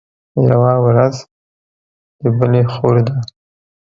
يوه ورځ د بلي خور ده.